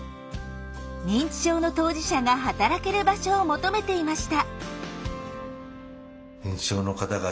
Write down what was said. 認知症の当事者が働ける場所を求めていました。